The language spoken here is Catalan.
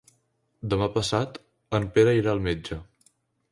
Demà passat en Pere irà al metge.